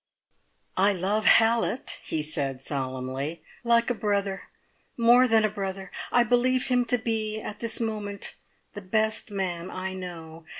"I love Hallett," he said solemnly, "like a brother more than a brother! I believe him to be, at this moment, the best man I know.